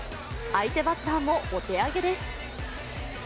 相手バッターもお手上げです。